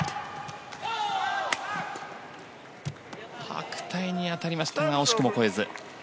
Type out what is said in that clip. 白帯に当たりましたが惜しくも越えず。